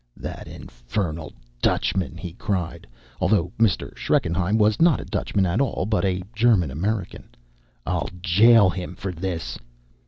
"That infernal Dutchman!" he cried, although Mr. Schreckenheim was not a Dutchman at all, but a German American. "I'll jail him for this!"